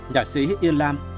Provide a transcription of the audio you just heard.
nhạc sĩ yên lam